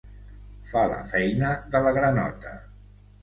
Fa la feina de la granota.